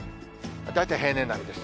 大体平年並みです。